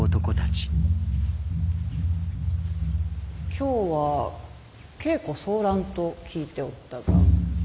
今日は稽古総覧と聞いておったが。